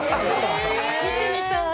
見てみたい！